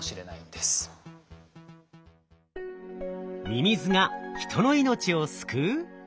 ミミズが人の命を救う？